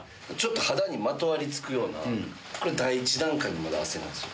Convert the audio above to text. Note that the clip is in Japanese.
肌にまとわりつくようなこれ第１段階の汗なんですよ。